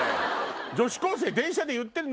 女子高生電車で言ってる？